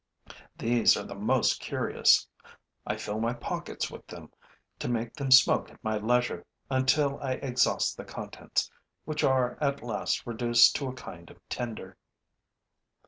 These are the most curious. I fill my pockets with them to make them smoke at my leisure, until I exhaust the contents, which are at last reduced to a kind of tinder.